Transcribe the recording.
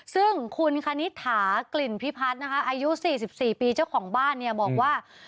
ซึ่งคุณคณิตถากลิ่นพิพัฒน์นะคะอายุ๔๔ปีเจ้าของบ้านเนี่ยบอกว่า